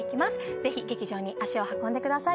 ぜひ劇場に足を運んでください。